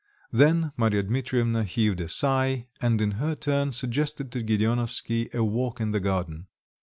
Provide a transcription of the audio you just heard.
Then Marya Dmitrievna heaved a sigh, and in her turn suggested to Gedeonovsky a walk in the garden.